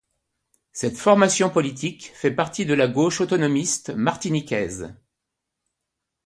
Cette formation politique fait partie de la gauche autonomiste martiniquaise.